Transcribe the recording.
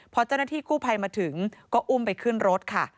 พอเจ้าหน้าที่กู้ภัยมาถึงก็อุ้มไปขึ้นรถค่ะ